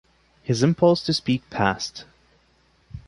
His impulse to speak passed.